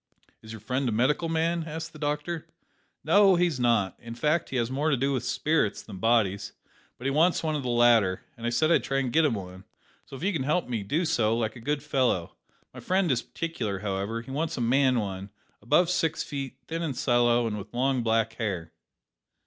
"Is your friend a medical man?" asked the doctor. "N no, he's not. In fact, he has more to do with spirits than bodies; but he wants one of the latter and I said I'd try to get him one so, if you can help me, do so, like a good fellow. My friend is particular, however; he wants a man one, above six feet, thin and sallow, and with long black hair."